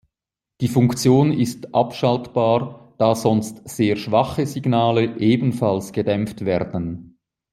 Die Funktion ist abschaltbar, da sonst sehr schwache Signale ebenfalls gedämpft werden.